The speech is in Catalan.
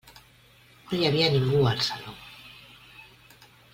No hi havia ningú al saló.